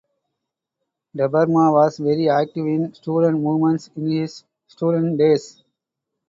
Debbarma was very active in student movements in his student days.